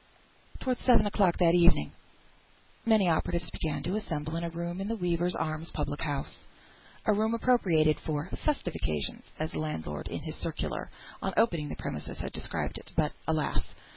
Towards seven o'clock that evening many operatives began to assemble in a room in the Weavers' Arms public house, a room appropriated for "festive occasions," as the landlord, in his circular, on opening the premises, had described it. But, alas!